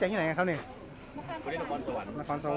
ทุกคนทุกนะคะให้กำลังใจ